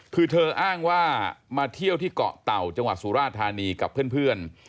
คือเธออ้างว่ามาเที่ยวที่เกาะเต่าจังหวัดสุราธานีกับเพื่อน